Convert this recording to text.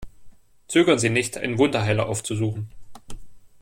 Zögern Sie nicht, einen Wunderheiler aufzusuchen!